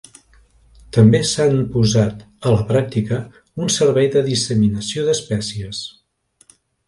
També s'han posat a la pràctica un servei de disseminació d'espècies.